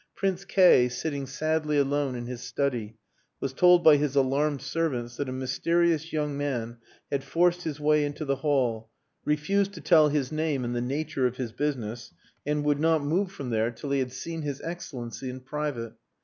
Prince K , sitting sadly alone in his study, was told by his alarmed servants that a mysterious young man had forced his way into the hall, refused to tell his name and the nature of his business, and would not move from there till he had seen his Excellency in private.